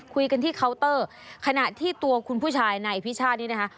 คุยกันที่เคาน์เตอร์ขณะที่ตัวคุณผู้ชายนายอภิชาตินี้นะคะ